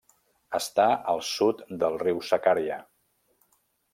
Està al sud del riu Sakarya.